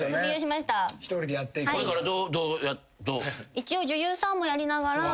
一応女優さんもやりながら。